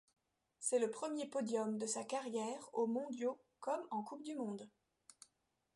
C'est le premier podium de sa carrière aux Mondiaux comme en Coupe du monde.